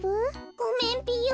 ごめんぴよ。